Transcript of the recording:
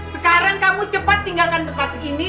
sekarang kamu cepat tinggalkan tempat ini